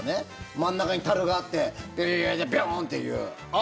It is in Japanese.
真ん中にたるがあってビヨーンっていう。